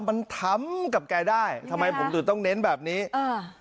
มันทำกับแกได้ทำไมผมถึงต้องเน้นแบบนี้อ่า